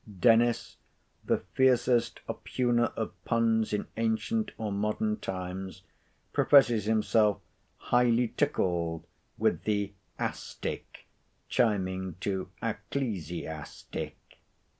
Dennis, the fiercest oppugner of puns in ancient or modern times, professes himself highly tickled with the "a stick" chiming to "ecclesiastic."